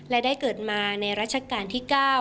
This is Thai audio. และได้เกิดมาในรัชกาลที่๙